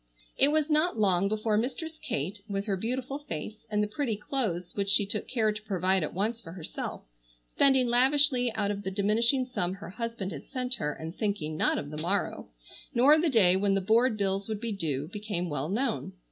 It was not long before Mistress Kate, with her beautiful face, and the pretty clothes which she took care to provide at once for herself, spending lavishly out of the diminishing sum her husband had sent her, and thinking not of the morrow, nor the day when the board bills would be due, became well known.